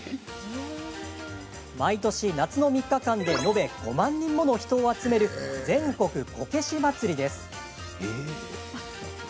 毎年、夏の３日間で延べ５万人もの人を集める全国こけし祭りです。